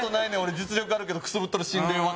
実力あるけどくすぶっとる心霊若手